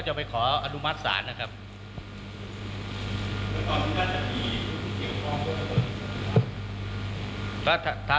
ส่วนอีกเรื่องหนึ่งที่หลายคนสงสัยว่าจะมีนายจตุการณ์นี้หรือเปล่า